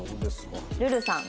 るるさん